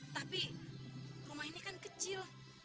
tapi rumah ini kan kecil